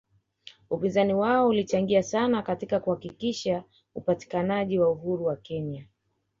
Upinzani wao ulichangia sana katika kuharakisha upatikanaji wa uhuru wa Kenya